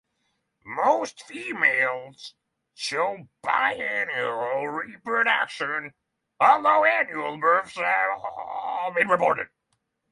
Most females show biennial reproduction, although annual births have been reported.